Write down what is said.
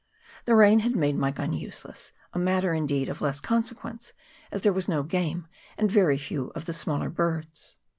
The rain had made my gun useless a matter, indeed, of less con sequence, as there was no game, and very few of the smaller birds.